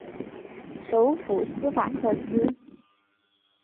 首府斯法克斯。